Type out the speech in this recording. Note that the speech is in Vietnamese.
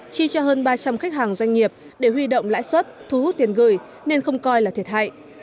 chi cho hơn ba trăm linh khách hàng doanh nghiệp để huy động lãi suất thu hút tiền gửi nên không coi là thiệt hại